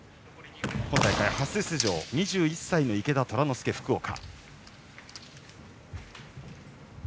今大会初出場２１歳の池田虎ノ介、福岡。